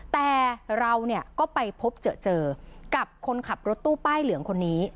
แต่เราก็ไปพบเจอกับคนขับรถตู้ป้ายเหลืองคนนี้